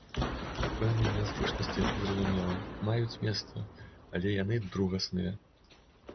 Пэўныя нязручнасці, зразумела, маюць месца, але яны другасныя.